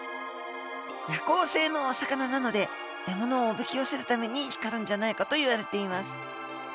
夜行性のお魚なので獲物をおびき寄せるために光るんじゃないかといわれています。